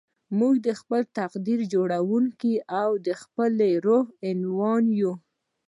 موږ د خپل تقدير جوړوونکي او د خپل روح عنوان يو.